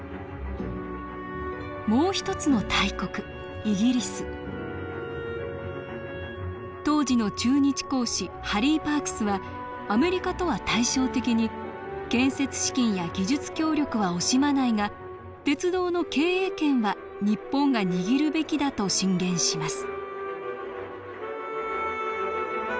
もう一つの大国イギリス当時の駐日公使ハリー・パークスはアメリカとは対照的に建設資金や技術協力は惜しまないが鉄道の経営権は日本が握るべきだと進言します